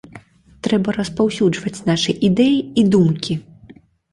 Трэба распаўсюджваць нашы ідэі і думкі.